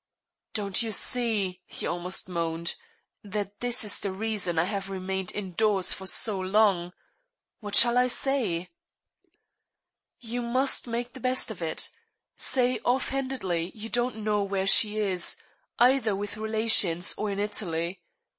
"Don't you see," he almost moaned, "that this is the reason I have remained indoors for so long? What shall I say?" "You must make the best of it. Say, off handedly, you don't know where she is either with relations or in Italy.